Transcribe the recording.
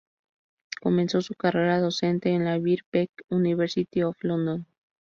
Comenzó su carrera docente en la Birkbeck, University of London.